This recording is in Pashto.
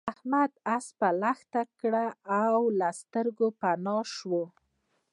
احمد اسپه لښته کړه او له سترګو پنا شو.